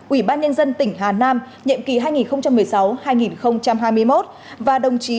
ubnd tỉnh hà nam nhậm kỳ hai nghìn một mươi sáu hai nghìn hai mươi một và đồng chí